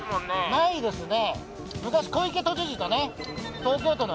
ないですね。